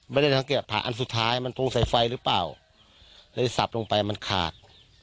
ไม่ได้สังเกตผ่าอันสุดท้ายมันตรงสายไฟหรือเปล่าเลยสับลงไปมันขาด